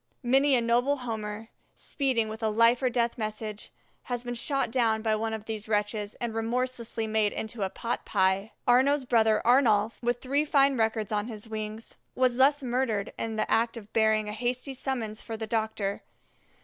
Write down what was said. Many a noble Homer, speeding with a life or death message, has been shot down by one of these wretches and remorselessly made into a pot pie. Arnaux's brother Arnolf, with three fine records on his wings, was thus murdered in the act of bearing a hasty summons for the doctor.